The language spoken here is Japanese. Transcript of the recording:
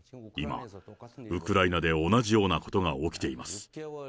今、ウクライナで同じようなことが起きています。